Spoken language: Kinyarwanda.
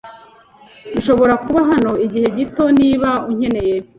Nshobora kuba hano igihe gito niba unkeneye.